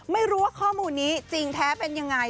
ไม่รู้ว่าข้อมูลนี้จริงแท้เป็นยังไง